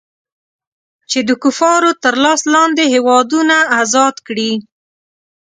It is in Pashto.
چې د کفارو تر لاس لاندې هېوادونه ازاد کړي.